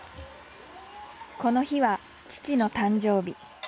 この日は父の誕生日。